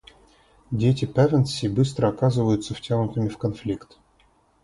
Дети Пэвенси быстро оказываются втянутыми в конфликт.